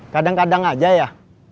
kadang kadang aja ya